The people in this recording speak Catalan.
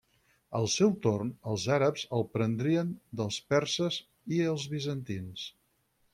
Al seu torn, els àrabs el prendrien dels perses i els bizantins.